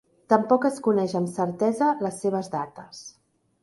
Tampoc es coneix amb certesa les seves dates.